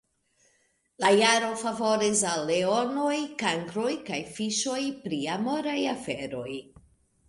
La jaro favoros al Leonoj, Kankroj kaj Fiŝoj pri amoraj aferoj.